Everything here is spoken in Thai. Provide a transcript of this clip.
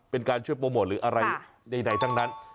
เป็นการช่วยโปรโมทหรืออะไรใดทั้งนั้น